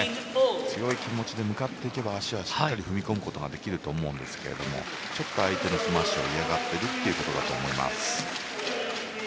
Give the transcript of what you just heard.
強い気持ちで向かっていけば足をしっかり踏み込むことができると思うんですがちょっと相手のスマッシュを嫌がっているということだと思います。